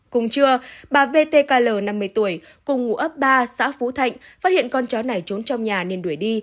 cùng trưa bà vtkl năm mươi tuổi cùng ngụ ấp ba xã phú thạnh phát hiện con chó này trốn trong nhà nên đuổi đi